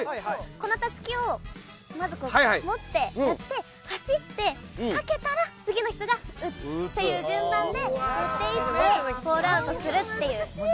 このたすきをまず持ってやって走ってかけたら次の人が打つという順番でやっていってホールアウトするっていう。